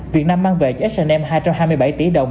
việt nam mang về cho h m hai trăm hai mươi bảy tỷ đồng